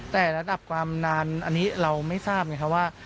แต่ระดับความนานอันนี้เราไม่ทราบไงครับว่า